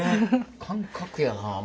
感覚やな。